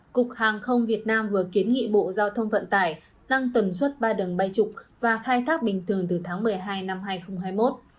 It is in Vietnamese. cục hàng không việt nam vừa kiến nghị bộ giao thông vận tải tăng tần suất ba đường bay trục và khai thác bình thường từ tháng một mươi hai năm hai nghìn hai mươi một